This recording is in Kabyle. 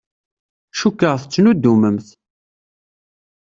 Cukkeɣ tettnuddumemt.